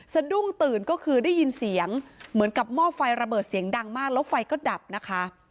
สะดุ้งตื่นก็คือได้ยินเสียงเหมือนกับหม้อไฟระเบิดเสียงดังมากแล้วไฟก็ดับนะคะ